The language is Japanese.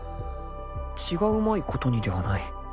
［血がうまいことにではない。